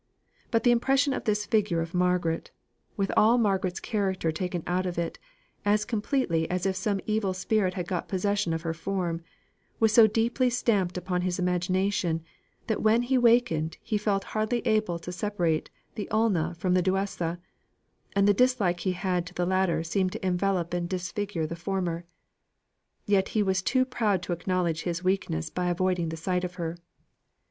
But the impression of this figure of Margaret with all Margaret's character taken out of it, as completely as if some evil spirit had got possession of her form was so deeply stamped upon his imagination, that when he wakened he felt hardly able to separate the Una from the Duessa; and the dislike he had to the latter seemed to envelop and disfigure the former. Yet he was too proud to acknowledge his weakness by avoiding the sight of her.